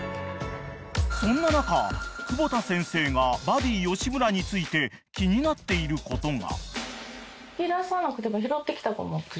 ［そんな中久保田先生がバディ吉村について気になっていることが］